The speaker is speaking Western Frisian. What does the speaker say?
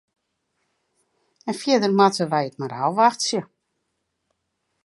En fierder moatte wy it mar ôfwachtsje.